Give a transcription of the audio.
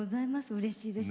うれしいです。